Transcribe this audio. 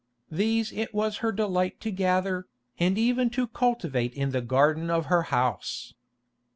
These it was her delight to gather, and even to cultivate in the garden of her house.